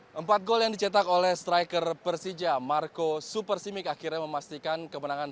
hai empat gol yang dicetak oleh striker persija marco supersimic akhirnya memastikan kemenangan